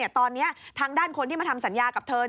ตอนนี้ทางด้านคนที่มาทำสัญญากับเธอ